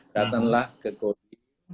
datanglah ke koti